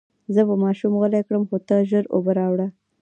زه به ماشوم غلی کړم، خو ته ژر اوبه راوړه.